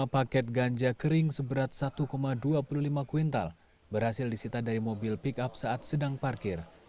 lima paket ganja kering seberat satu dua puluh lima kuintal berhasil disita dari mobil pick up saat sedang parkir